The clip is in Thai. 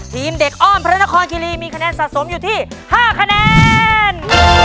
ทีมเด็กอ้อนพระนครคิรีมีคะแนนสะสมอยู่ที่๕คะแนน